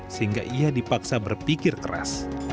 sehingga ia dipaksa berpikir keras